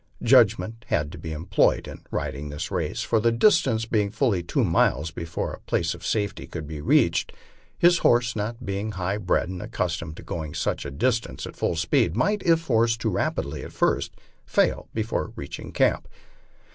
Judgment had to be employed in riding this race, for the dis tance being fully two miles before a place of safety could be reached, h.ib horse, not being high bred and accustomed to going such a distance at full speed, might, if forced too rapidly at first, fail before reaching camp.